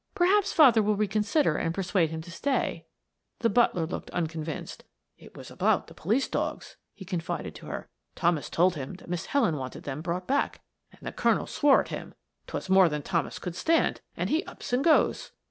"Perhaps father will reconsider and persuade him to stay." The butler looked unconvinced. "It was about the police dogs," he confided to her. "Thomas told him that Miss Helen wanted them brought back, and the colonel swore at him 'twas more than Thomas could stand and he ups and goes."